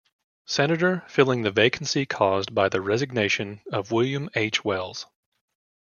Senator, filling the vacancy caused by the resignation of William H. Wells.